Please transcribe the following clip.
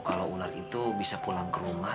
kalau ular itu bisa pulang ke rumah